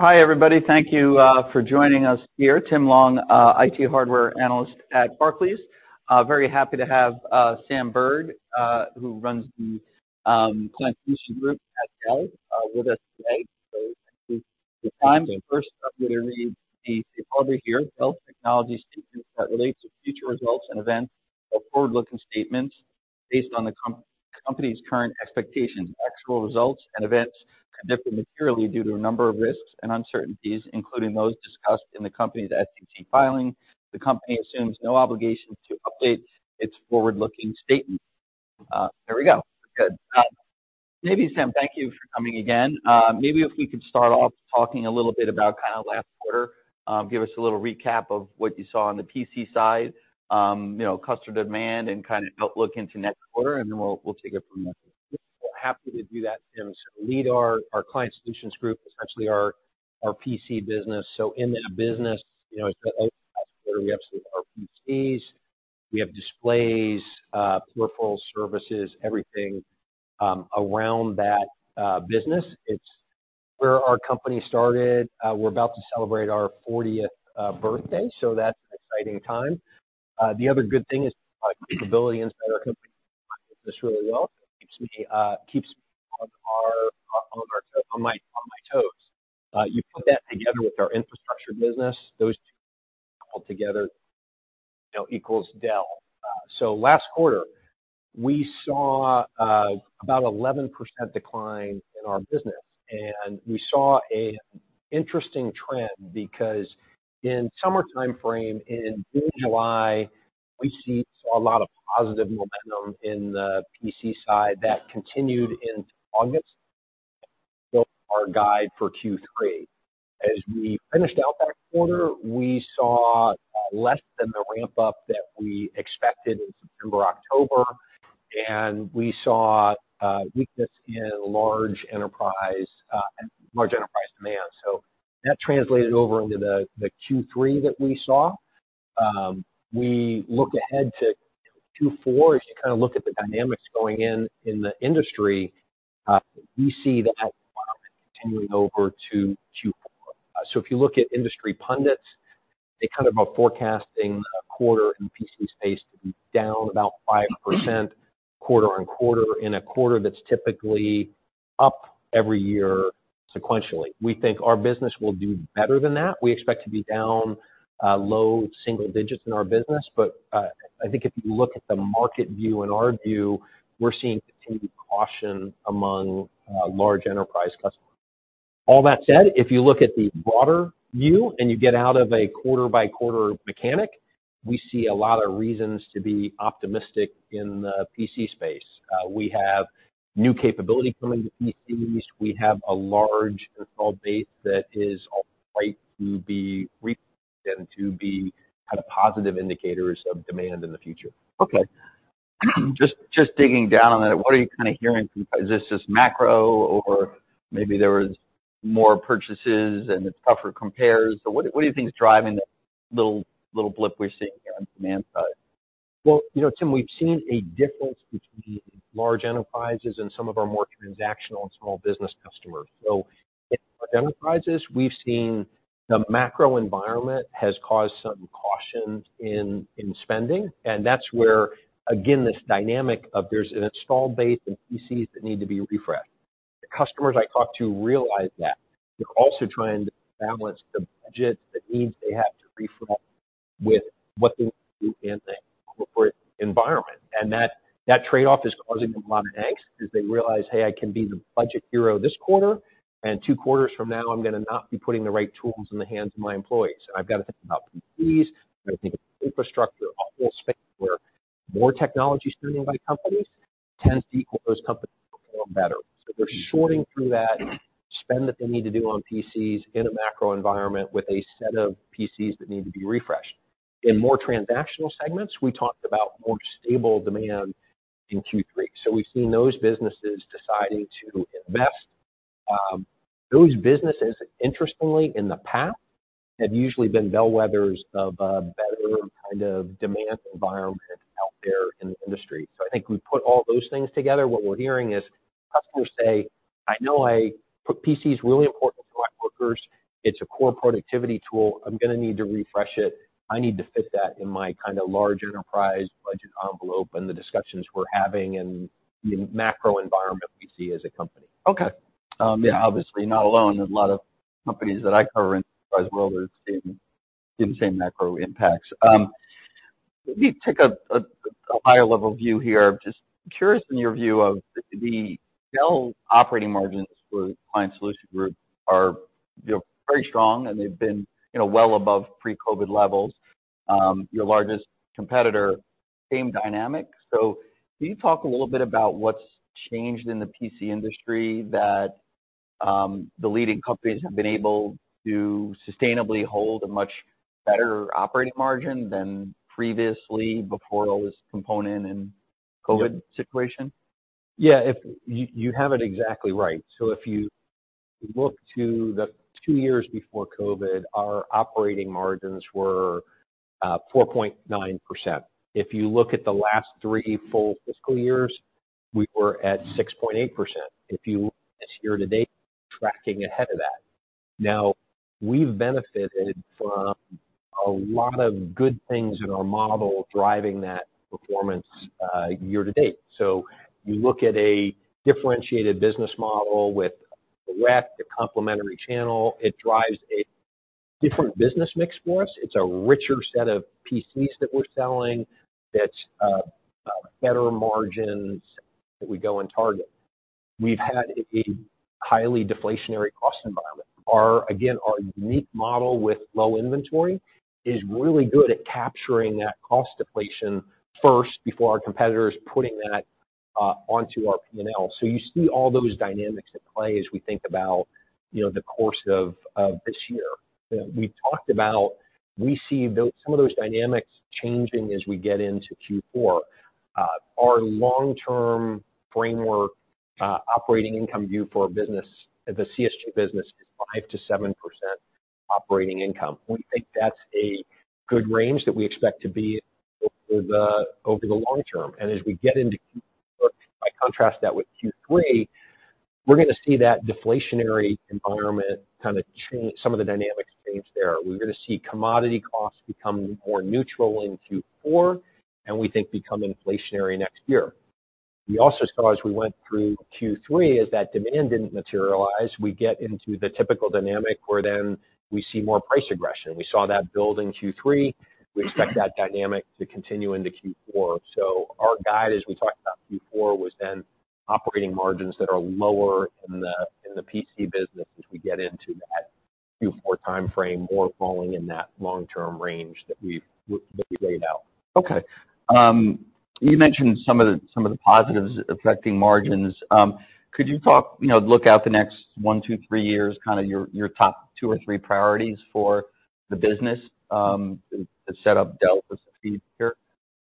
Hi, everybody. Thank you for joining us here. Tim Long, IT Hardware Analyst at Barclays. Very happy to have Sam Burd, who runs the Client Solutions Group at Dell, with us today. So thank you for your time. First, I'm going to read the disclaimer here. Dell Technologies statements that relate to future results and events are forward-looking statements based on the company's current expectations. Actual results and events could differ materially due to a number of risks and uncertainties, including those discussed in the company's SEC filing. The company assumes no obligation to update its forward-looking statements. There we go. Good. Maybe, Sam, thank you for coming again. Maybe if we could start off talking a little bit about kind of last quarter, give us a little recap of what you saw on the PC side, you know, customer demand and kind of outlook into next quarter, and then we'll take it from there. Happy to do that, Tim. So lead our Client Solutions Group, essentially our PC business. So in that business, you know, in the last quarter, we have some PCs, we have displays, peripherals, services, everything around that business. It's where our company started. We're about to celebrate our fortieth birthday, so that's an exciting time. The other good thing is our capability inside our company this really well keeps me on my toes. You put that together with our infrastructure business, those two altogether, you know, equals Dell. So last quarter, we saw about 11% decline in our business, and we saw an interesting trend because in summer timeframe, in mid-July, we saw a lot of positive momentum in the PC side that continued into August. Our guide for Q3. As we finished out that quarter, we saw less than the ramp-up that we expected in September, October, and we saw a weakness in large enterprise demand. So that translated over into the Q3 that we saw. We look ahead to Q4. If you kind of look at the dynamics going in, in the industry, we see that continuing over to Q4. So if you look at industry pundits, they kind of are forecasting a quarter in the PC space to be down about 5% quarter on quarter, in a quarter that's typically up every year sequentially. We think our business will do better than that. We expect to be down, low single digits in our business, but, I think if you look at the market view and our view, we're seeing continued caution among, large enterprise customers. All that said, if you look at the broader view and you get out of a quarter-by-quarter mechanic, we see a lot of reasons to be optimistic in the PC space. We have new capability coming to PCs. We have a large installed base that is all right to be refreshed and to be kind of positive indicators of demand in the future. Okay. Just digging down on that, what are you kind of hearing? Is this just macro or maybe there was more purchases and it's tougher compares? So what do you think is driving the little blip we're seeing here on demand side? Well, you know, Tim, we've seen a difference between large enterprises and some of our more transactional and small business customers. So in enterprises, we've seen the macro environment has caused some caution in, in spending, and that's where, again, this dynamic of there's an installed base of PCs that need to be refreshed. The customers I talk to realize that. They're also trying to balance the budgets, the needs they have to refresh with what they need to do in the corporate environment. And that, that trade-off is causing them a lot of angst as they realize, "Hey, I can be the budget hero this quarter, and two quarters from now, I'm going to not be putting the right tools in the hands of my employees. And I've got to think about PCs, I've got to think of infrastructure, a whole space where more technology surrounded by companies tends to equal those companies perform better. So they're sorting through that spend that they need to do on PCs in a macro environment with a set of PCs that need to be refreshed. In more transactional segments, we talked about more stable demand in Q3. So we've seen those businesses deciding to invest. Those businesses, interestingly, in the past, have usually been bellwethers of a better kind of demand environment out there in the industry. So I think we put all those things together. What we're hearing is customers say, "I know PC is really important to my workers. It's a core productivity tool. I'm going to need to refresh it. I need to fit that in my kind of large enterprise budget envelope," and the discussions we're having and the macro environment we see as a company. Okay. Yeah, obviously not alone. There's a lot of companies that I cover in enterprise world are seeing the same macro impacts. Let me take a higher level view here. Just curious, in your view of the Dell operating margins for Client Solutions Group are, you know, pretty strong, and they've been, you know, well above pre-COVID levels. Your largest competitor, same dynamic. So can you talk a little bit about what's changed in the PC industry that the leading companies have been able to sustainably hold a much better operating margin than previously before all this component and COVID- Yeah. - situation? Yeah, if you have it exactly right. So if you look to the two years before COVID, our operating margins were 4.9%. If you look at the last three full fiscal years, we were at 6.8%. This year to date, tracking ahead of that. Now, we've benefited from a lot of good things in our model driving that performance year to date. So you look at a differentiated business model with the rep, the complementary channel, it drives a different business mix for us. It's a richer set of PCs that we're selling, that's better margins that we go and target. We've had a highly deflationary cost environment. Our, again, our unique model with low inventory is really good at capturing that cost deflation first before our competitors, putting that onto our P&L. So you see all those dynamics at play as we think about, you know, the course of, of this year. We've talked about, we see some of those dynamics changing as we get into Q4. Our long-term framework, operating income view for our business, the CSG business, is 5%-7% operating income. We think that's a good range that we expect to be over the long term. As we get into Q4, if I contrast that with Q3, we're going to see that deflationary environment kind of change, some of the dynamics change there. We're going to see commodity costs become more neutral in Q4, and we think become inflationary next year. We also saw as we went through Q3, is that demand didn't materialize. We get into the typical dynamic, where then we see more price aggression. We saw that build in Q3. We expect that dynamic to continue into Q4. So our guide, as we talked about Q4, was then operating margins that are lower in the PC business as we get into that Q4 timeframe, more falling in that long-term range that we laid out. Okay. You mentioned some of the positives affecting margins. Could you talk, look out the next one, two, three years, kind of your, your top two or three priorities for the business, to set up Dell for success here?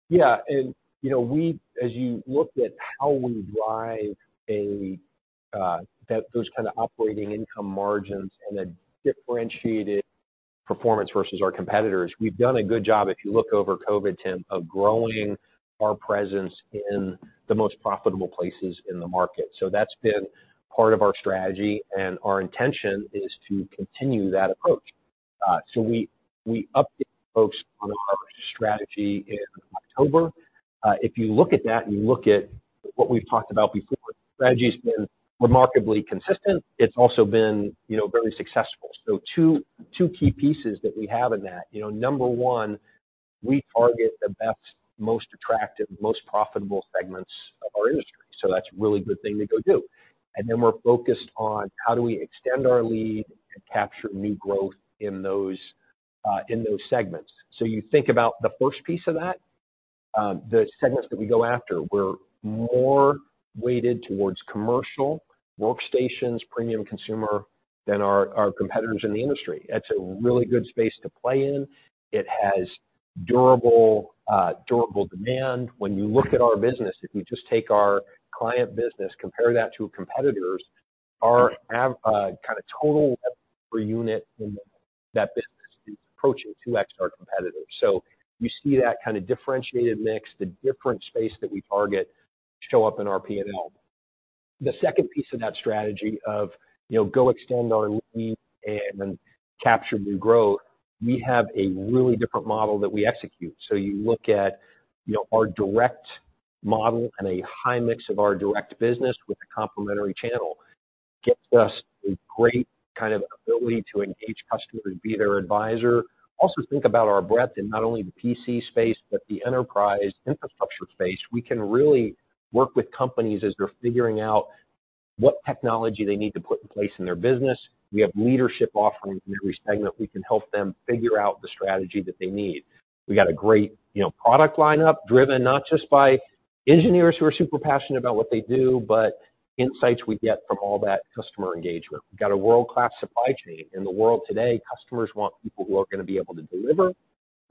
Yeah, and, you know, we as you looked at how we drive those kind of operating income margins and a differentiated performance versus our competitors, we've done a good job, if you look over COVID, Tim, of growing our presence in the most profitable places in the market. So that's been part of our strategy, and our intention is to continue that approach. So we updated folks on our strategy in October. If you look at that and you look at what we've talked about before, the strategy's been remarkably consistent. It's also been very successful. So two key pieces that we have in that: number one, we target the best, most attractive, most profitable segments of our industry. So that's a really good thing to go do. Then we're focused on how do we extend our lead and capture new growth in those, in those segments. So you think about the first piece of that, the segments that we go after, we're more weighted towards commercial, workstations, premium consumer than our, our competitors in the industry. That's a really good space to play in. It has durable demand. When you look at our business, if you just take our client business, compare that to competitors, our kind of total per unit in that business is approaching 2x our competitors. So you see that kind of differentiated mix, the different space that we target, show up in our P&L. The second piece of that strategy of, you know, go extend our lead and capture new growth, we have a really different model that we execute. So you look at our direct model and a high mix of our direct business with the complementary channel, gets us a great kind of ability to engage customers and be their advisor. Also, think about our breadth in not only the PC space, but the enterprise infrastructure space. We can really work with companies as they're figuring out what technology they need to put in place in their business. We have leadership offerings in every segment. We can help them figure out the strategy that they need. We got a great product lineup, driven not just by engineers who are super passionate about what they do, but insights we get from all that customer engagement. We've got a world-class supply chain. In the world today, customers want people who are going to be able to deliver.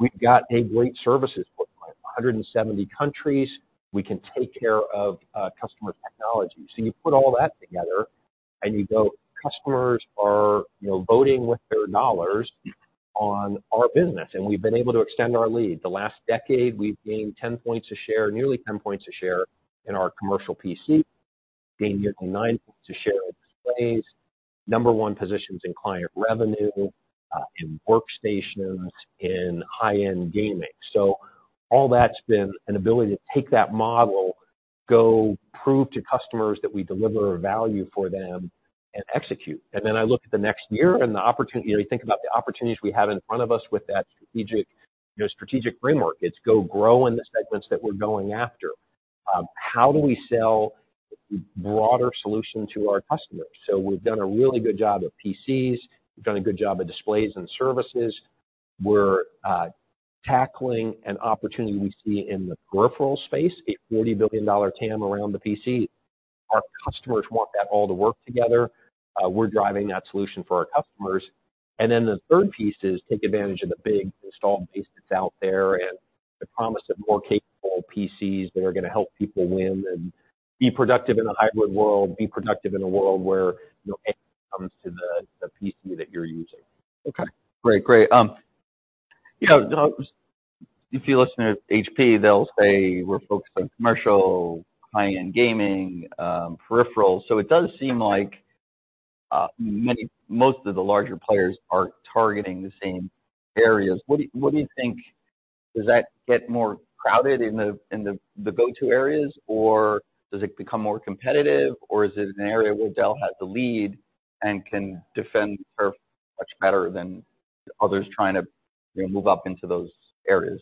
We've got a great services footprint, 170 countries. We can take care of customer technology. So you put all that together and you go, customers are voting with their dollars on our business, and we've been able to extend our lead. The last decade, we've gained 10 points of share, nearly 10 points of share in our commercial PC, gained nearly nine points of share in displays, number one positions in client revenue in workstations, in high-end gaming. So all that's been an ability to take that model, go prove to customers that we deliver value for them, and execute. And then I look at the next year and the opportunity, you think about the opportunities we have in front of us with that strategic, you know, strategic framework. It's go grow in the segments that we're going after. How do we sell broader solution to our customers? So we've done a really good job at PCs. We've done a good job at displays and services. We're tackling an opportunity we see in the peripheral space, a $40 billion TAM around the PC. Our customers want that all to work together. We're driving that solution for our customers. And then the third piece is take advantage of the big installed base that's out there and the promise of more capable PCs that are going to help people win and be productive in a hybrid world, be productive in a world where, you know, everything comes to the PC that you're using. Okay, great. Great. You know, if you listen to HP, they'll say we're focused on commercial, high-end gaming, peripherals. So it does seem like most of the larger players are targeting the same areas. What do you think? Does that get more crowded in the go-to areas, or does it become more competitive, or is it an area where Dell has the lead and can defend the turf much better than others trying to move up into those areas?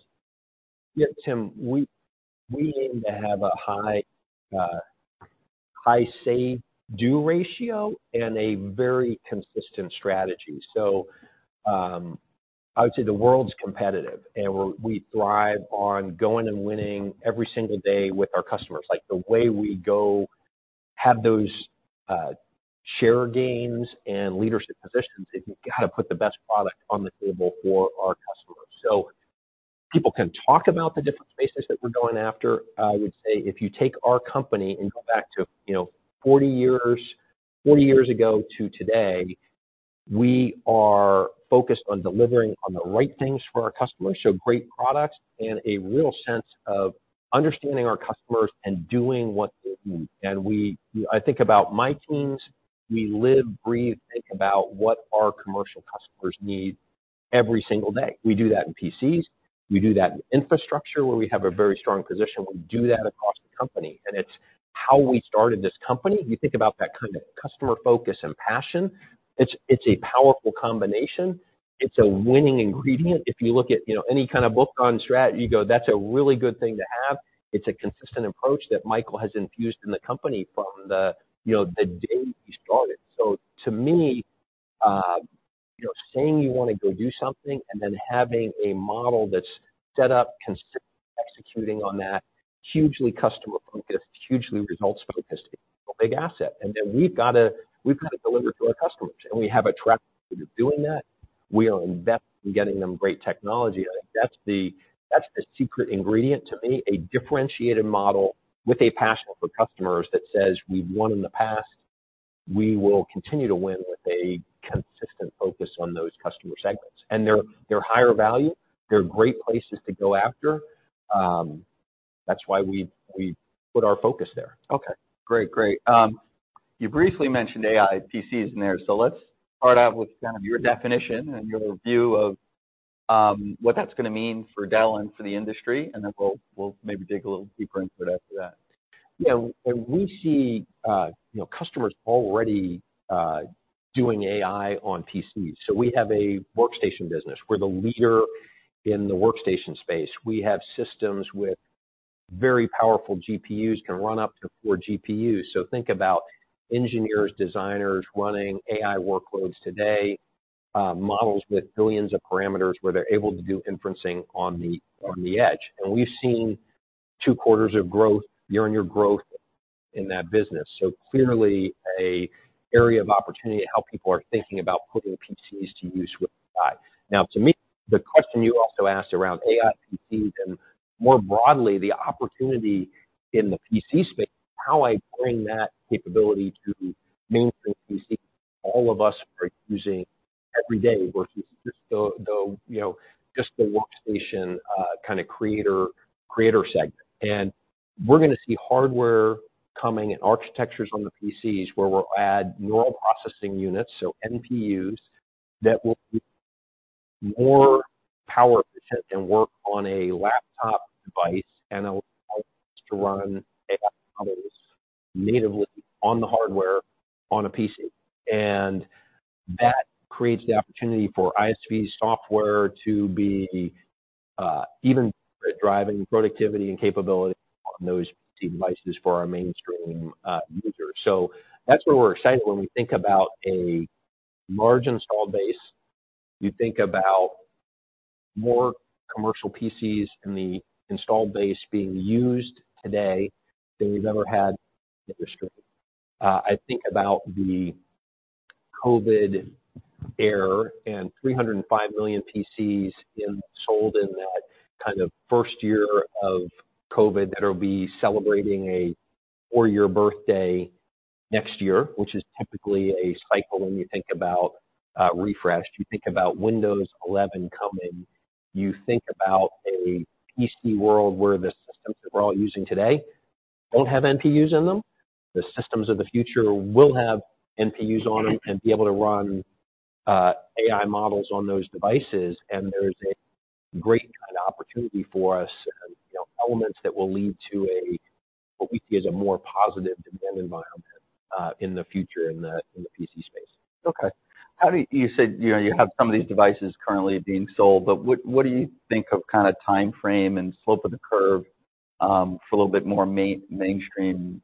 Yeah, Tim, we aim to have a high say-do ratio and a very consistent strategy. So, I would say the world's competitive, and we thrive on going and winning every single day with our customers. Like, the way we go have those share gains and leadership positions is we've got to put the best product on the table for our customers. So people can talk about the different spaces that we're going after. I would say if you take our company and go back to, you know, 40 years, 40 years ago to today, we are focused on delivering on the right things for our customers. So great products and a real sense of understanding our customers and doing what they need. And I think about my teams, we live, breathe, think about what our commercial customers need every single day. We do that in PCs, we do that in infrastructure, where we have a very strong position. We do that across the company, and it's how we started this company. If you think about that kind of customer focus and passion, it's a powerful combination. It's a winning ingredient. If you look at, you know, any kind of book on strategy, you go, "That's a really good thing to have." It's a consistent approach that Michael has infused in the company from the day we started. So to me, you know, saying you want to go do something and then having a model that's set up, consistently executing on that, hugely customer-focused, hugely results-focused, a big asset. And then we've got to, we've got to deliver to our customers, and we have a track record of doing that. We are invested in getting them great technology. I think that's the secret ingredient to me, a differentiated model with a passion for customers that says, "We've won in the past. We will continue to win with a consistent focus on those customer segments." And they're higher value. They're great places to go after. That's why we put our focus there. Okay. Great. You briefly mentioned AI PCs in there, so let's start out with kind of your definition and your view of what that's going to mean for Dell and for the industry, and then we'll maybe dig a little deeper into it after that. Yeah, we see customers already doing AI on PCs. So we have a workstation business. We're the leader in the workstation space. We have systems with very powerful GPUs, can run up to four GPUs. So think about engineers, designers running AI workloads today, models with billions of parameters, where they're able to do inferencing on the, on the edge. And we've seen two quarters of growth, year-on-year growth in that business. So clearly, an area of opportunity in how people are thinking about putting PCs to use with AI. Now, to me, the question you also asked around AI PCs and more broadly, the opportunity in the PC space, how I bring that capability to the mainstream PC, all of us are using every day versus just the workstation, kind of creator segment. We're going to see hardware coming and architectures on the PCs, where we'll add neural processing units, so NPUs, that will be more power efficient and work on a laptop device and allow us to run AI models natively on the hardware on a PC. That creates the opportunity for ISV software to be even driving productivity and capability on those PC devices for our mainstream users. So that's where we're excited when we think about a large installed base. You think about more commercial PCs in the installed base being used today than we've ever had in the industry. I think about the COVID era and 305 million PCs sold in that kind of first year of COVID, that'll be celebrating a four-year birthday next year, which is typically a cycle when you think about refresh. You think about Windows 11 coming. You think about a PC world where the systems that we're all using today don't have NPUs in them. The systems of the future will have NPUs on them and be able to run AI models on those devices, and there's a great kind of opportunity for us and elements that will lead to a, what we see as a more positive demand environment, in the future in the, in the PC space. Okay. How do you? You said, you have some of these devices currently being sold, but what, what do you think of kind of time frame and slope of the curve for a little bit more mainstream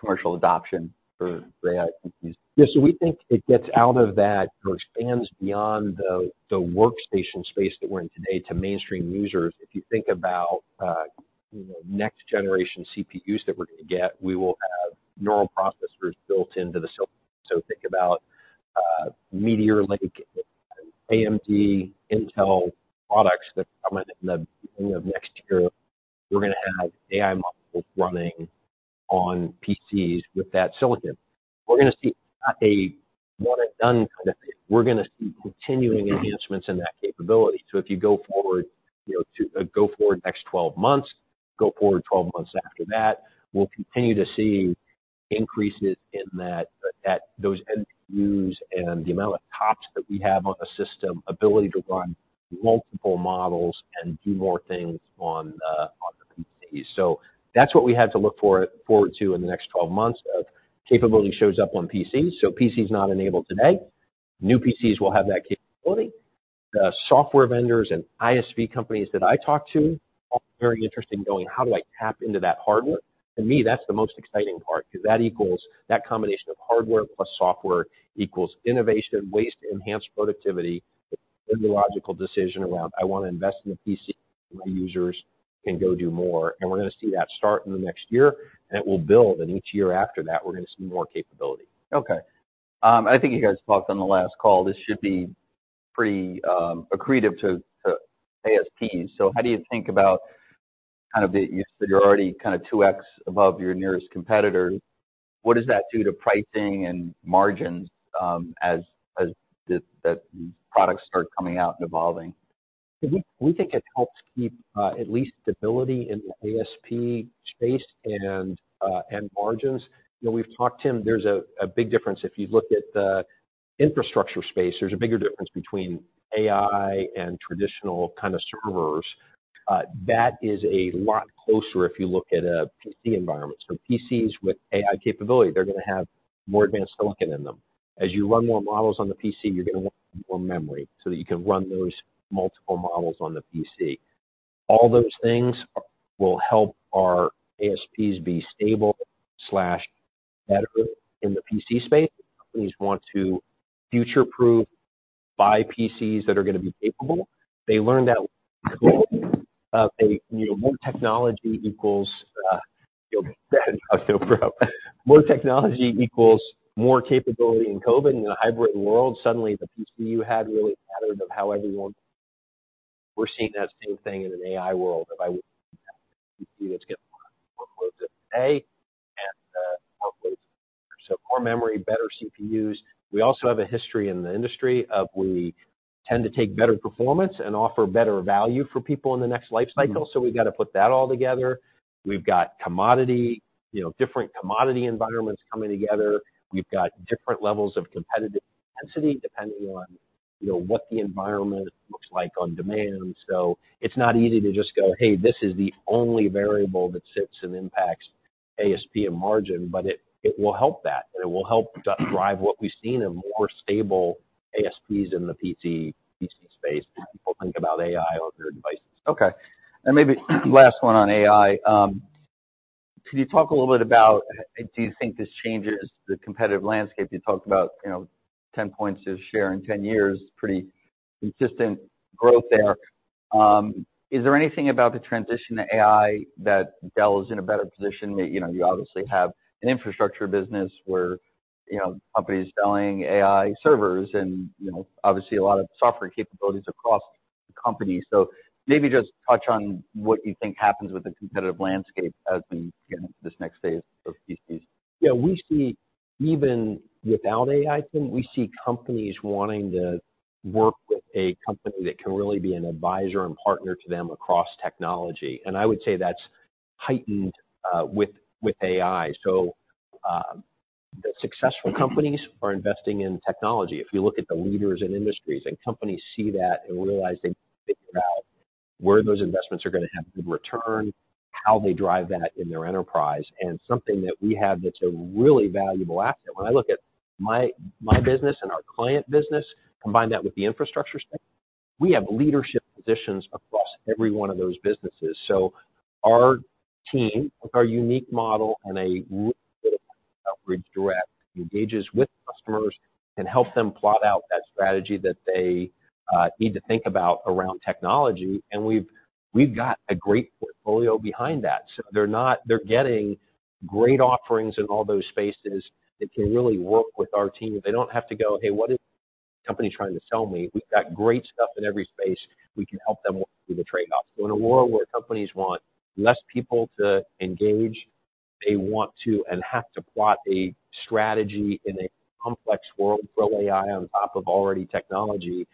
commercial adoption for the AI PCs? Yeah. So we think it gets out of that or expands beyond the workstation space that we're in today to mainstream users. If you think about, you know, next generation CPUs that we're going to get, we will have neural processors built into the system. So think about Meteor Lake, AMD, Intel products that are coming in the beginning of next year. We're going to have AI models running on PCs with that silicon. We're going to see, not a one and done kind of thing. We're going to see continuing enhancements in that capability. So if you go forward, you know, to go forward next 12 months, go forward 12 months after that, we'll continue to see increases in that, at those NPUs and the amount of TOPS that we have on a system, ability to run multiple models and do more things on the PCs. So that's what we have to look forward to in the next 12 months, of capability shows up on PCs. So PCs not enabled today, new PCs will have that capability. The software vendors and ISV companies that I talk to are very interested in knowing: how do I tap into that hardware? To me, that's the most exciting part, because that equals that combination of hardware plus software equals innovation, ways to enhance productivity. It's a logical decision around, I want to invest in a PC, my users can go do more, and we're going to see that start in the next year, and it will build. Each year after that, we're going to see more capability. Okay. I think you guys talked on the last call, this should be pretty accretive to ASPs. So how do you think about kind of the you said you're already kind of 2x above your nearest competitor. What does that do to pricing and margins as the products start coming out and evolving? We think it helps keep at least stability in the ASP space and margins. You know, we've talked, Tim, there's a big difference if you look at the infrastructure space, there's a bigger difference between AI and traditional kind of servers. That is a lot closer if you look at PC environments. So PCs with AI capability, they're going to have more advanced silicon in them. As you run more models on the PC, you're going to want more memory, so that you can run those multiple models on the PC. All those things will help our ASPs be stable, better in the PC space. Companies want to future-proof, buy PCs that are going to be capable. They learned that, you know, more technology equals, you know, more technology equals more capability. In COVID, in a hybrid world, suddenly the PC you had really mattered of how everyone... We're seeing that same thing in an AI world. If I see that's getting workloads today and, workloads. So more memory, better CPUs. We also have a history in the industry of we tend to take better performance and offer better value for people in the next life cycle. So we've got to put that all together. We've got commodity, different commodity environments coming together. We've got different levels of competitive intensity, depending on, what the environment looks like on demand. So it's not easy to just go, "Hey, this is the only variable that sits and impacts ASP and margin," but it, it will help that, and it will help drive what we've seen in more stable ASPs in the PC, PC space as people think about AI on their devices. Okay, and maybe last one on AI. Can you talk a little bit about, do you think this changes the competitive landscape? You talked about, you know, 10 points of share in 10 years, pretty consistent growth there. Is there anything about the transition to AI that Dell is in a better position? That, you know, you obviously have an infrastructure business where, companies selling AI servers and, you know, obviously a lot of software capabilities across the company. So maybe just touch on what you think happens with the competitive landscape as we get into this next phase of PCs. Yeah, we see even without AI, Tim, we see companies wanting to work with a company that can really be an advisor and partner to them across technology, and I would say that's heightened with AI. So, the successful companies are investing in technology. If you look at the leaders in industries, and companies see that and realize they figure out where those investments are going to have good return, how they drive that in their enterprise. And something that we have that's a really valuable asset. When I look at my business and our client business, combine that with the infrastructure space, we have leadership positions across every one of those businesses. So our team, with our unique model and a really direct, engages with customers and helps them plot out that strategy that they need to think about around technology. We've got a great portfolio behind that. So they're not. They're getting great offerings in all those spaces that can really work with our team. They don't have to go, "Hey, what is the company trying to sell me?" We've got great stuff in every space. We can help them with the trade-offs. So in a world where companies want less people to engage, they want to and have to plot a strategy in a complex world, throw AI on top of already technology,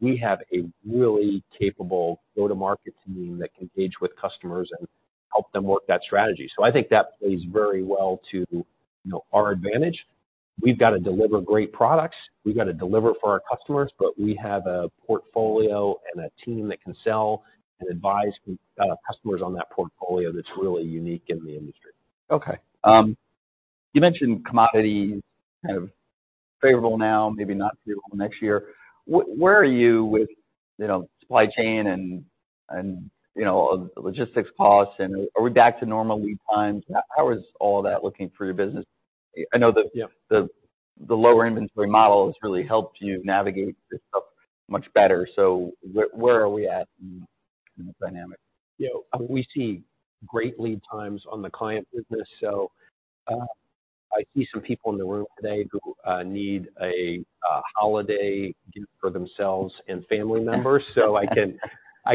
we have a really capable go-to-market team that can engage with customers and help them work that strategy. So I think that plays very well to, you know, our advantage. We've got to deliver great products. We've got to deliver for our customers, but we have a portfolio and a team that can sell and advise customers on that portfolio that's really unique in the industry. Okay. You mentioned commodity, kind of, favorable now, maybe not favorable next year. Where are you with, you know, supply chain and, you know, logistics costs, and are we back to normal lead times? How is all that looking for your business? I know that the lower inventory model has really helped you navigate this stuff much better. So where are we at in the dynamic? We see great lead times on the client business. So, I see some people in the room today who need a holiday gift for themselves and family members. So I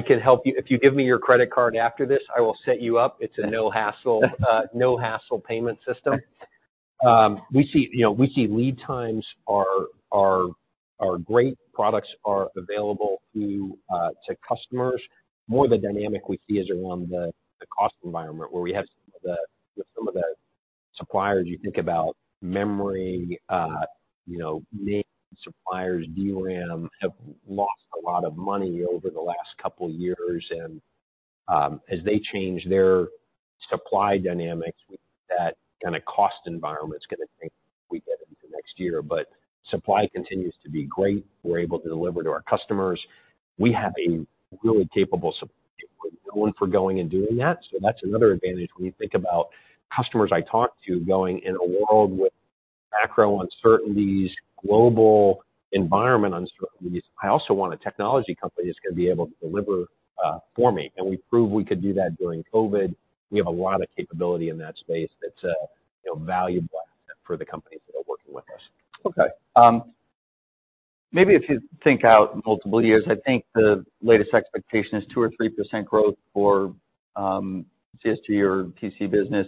can help you. If you give me your credit card after this, I will set you up. It's a no hassle payment system. We see, you know, we see lead times are great. Products are available to customers. More of the dynamic we see is around the cost environment, where we have some of the—with some of the suppliers, you think about memory, you know, name suppliers, DRAM, have lost a lot of money over the last couple years, and, as they change their supply dynamics, we think that kinda cost environment's gonna change as we get into next year. But supply continues to be great. We're able to deliver to our customers. We have a really capable supply chain going for and doing that, so that's another advantage when you think about customers I talk to, going in a world with macro uncertainties, global environment uncertainties. I also want a technology company that's gonna be able to deliver for me, and we proved we could do that during COVID. We have a lot of capability in that space that's, valuable asset for the companies that are working with us. Okay, maybe if you think out multiple years, I think the latest expectation is 2% or 3% growth for CSG or PC business.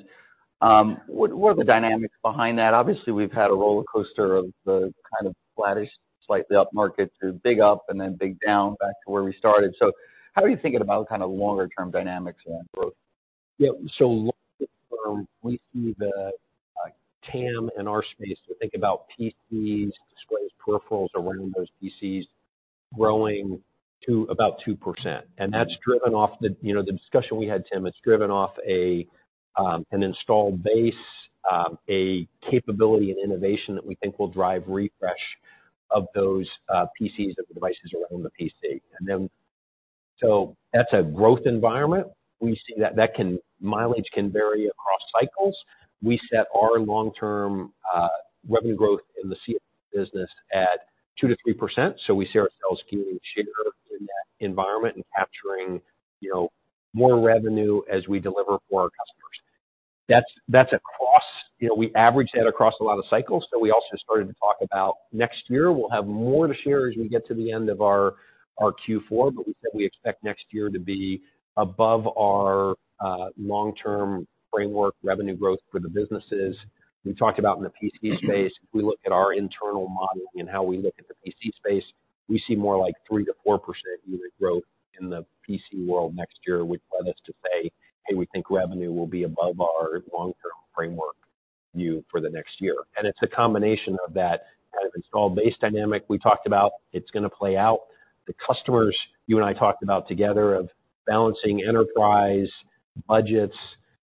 What are the dynamics behind that? Obviously, we've had a rollercoaster of the kind of flattish, slightly up market to big up and then big down, back to where we started. So how are you thinking about kind of longer-term dynamics around growth? Yeah. So long term, we see the TAM in our space, so think about PCs, displays, peripherals around those PCs, growing to about 2%. And that's driven off the, you know, the discussion we had, Tim, it's driven off an installed base, a capability and innovation that we think will drive refresh of those PCs or the devices around the PC. And then, so that's a growth environment. We see that mileage can vary across cycles. We set our long-term revenue growth in the CSG business at 2%-3%, so we see ourselves gaining share in that environment and capturing, you know, more revenue as we deliver for our customers. That's across. You know, we average that across a lot of cycles, but we also started to talk about next year. We'll have more to share as we get to the end of our Q4, but we said we expect next year to be above our long-term framework revenue growth for the businesses. We talked about in the PC space, if we look at our internal modeling and how we look at the PC space, we see more like 3%-4% unit growth in the PC world next year, which led us to say, "Hey, we think revenue will be above our long-term framework view for the next year." It's a combination of that kind of installed base dynamic we talked about. It's gonna play out. The customers you and I talked about together of balancing enterprise budgets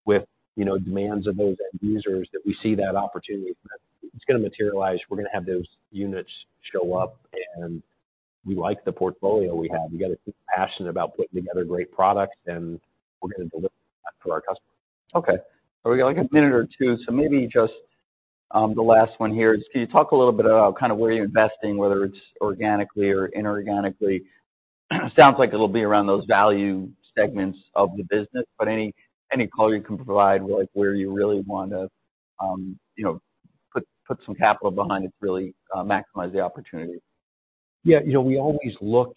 with, you know, demands of those end users, that we see that opportunity. It's gonna materialize. We're gonna have those units show up, and we like the portfolio we have. We've got a team passionate about putting together great products, and we're gonna deliver that for our customers. Okay. So we got, like, a minute or two, so maybe just the last one here is: Can you talk a little bit about kind of where you're investing, whether it's organically or inorganically? Sounds like it'll be around those value segments of the business, but any color you can provide, like, where you really wanna put some capital behind to really maximize the opportunity. Yeah. We always look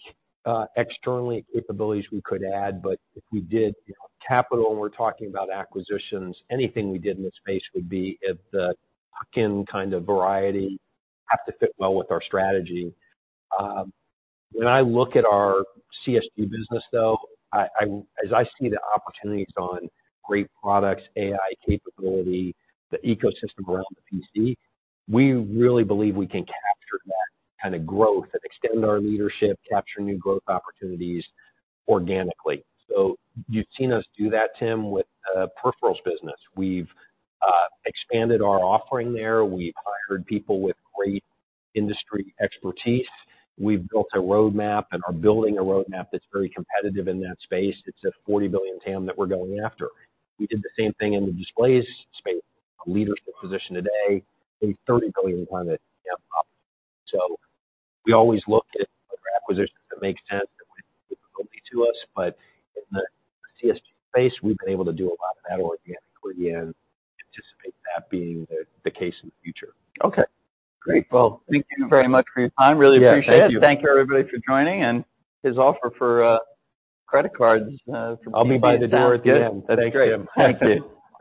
externally at capabilities we could add, but if we did, you know, capital, and we're talking about acquisitions, anything we did in that space would be of the tuck-in kind of variety, have to fit well with our strategy. When I look at our CSG business, though, as I see the opportunities on great products, AI capability, the ecosystem around the PC, we really believe we can capture that kind of growth and extend our leadership, capture new growth opportunities organically. So you've seen us do that, Tim, with peripherals business. We've expanded our offering there. We've hired people with great industry expertise. We've built a roadmap and are building a roadmap that's very competitive in that space. It's a $40 billion TAM that we're going after. We did the same thing in the displays space, a leadership position today, a $30 billion monitor TAM op. So we always look at acquisitions that make sense, that would be to us, but in the CSG space, we've been able to do a lot of that organically and anticipate that being the case in the future. Okay, great. Well, thank you very much for your time. Yeah. Really appreciate it. Thank you. Thank you, everybody, for joining, and his offer for credit cards, for- I'll be by the door at the end. That's great. Thanks, Tim. Thank you.